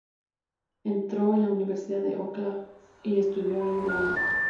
Entró en la Universidad de Oakland y estudió allí drama.